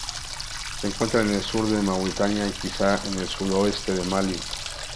Se encuentra en el sur de Mauritania y quizá en el sudoeste de Malí.